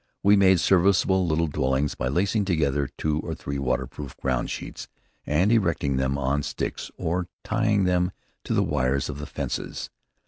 We made serviceable little dwellings by lacing together two or three waterproof ground sheets and erecting them on sticks or tying them to the wires of the fences.